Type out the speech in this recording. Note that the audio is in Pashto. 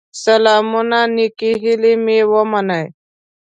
سلامونه نيکي هيلي مي ومنئ